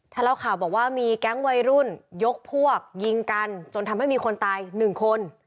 ถ้าเล่าข่าวบอกว่ามีแก๊งวัยรุ่นยกพวกยิงกันจนทำให้มีคนตายหนึ่งคน